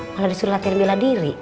malah disuruh latihan bila diri